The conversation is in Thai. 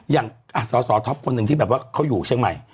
อย่างศท๊อปของคนหนึ่งเขาอยู่เชียงใหม่